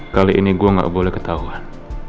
kali ini gue gak boleh ketahuan